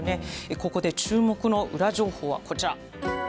ここで注目のウラ情報はこちら。